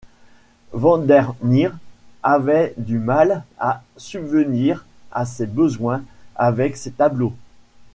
Van der Neer avait du mal à subvenir à ses besoins avec ses tableaux.